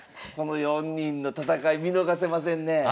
この４人の戦い見逃せませんね。